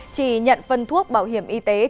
chỉ nhận phân thuốc bảo hiểm y tế